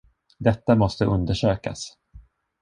Detta måste undersökas!